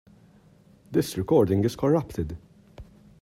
This recording is corrupted.